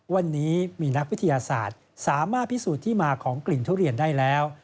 วันนี้มีนักวิทยาศาสตร์สามารถพิสูจน์ที่มาของกลิ่นทุเรียนได้แล้ว